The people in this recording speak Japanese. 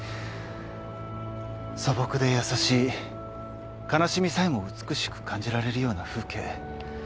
素朴で優しい悲しみさえも美しく感じられるような風景。